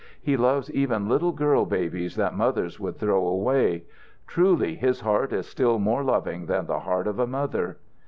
He loves even little girl babies that mothers would throw away. Truly his heart is still more loving than the heart of a mother."